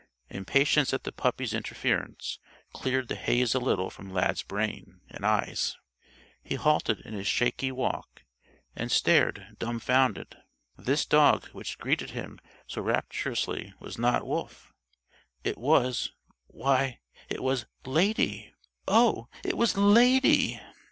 Impatience at the puppy's interference cleared the haze a little from Lad's brain and eyes. He halted in his shaky walk and stared, dumfounded. This dog which greeted him so rapturously was not Wolf. It was why, it was Lady! Oh, it was _Lady!